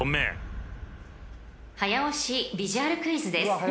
［早押しビジュアルクイズです］